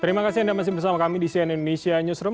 terima kasih anda masih bersama kami di cnn indonesia newsroom